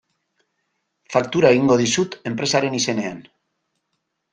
Faktura egingo dizut enpresaren izenean.